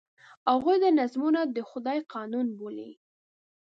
هغوی دا نظمونه د خدای قانون بولي.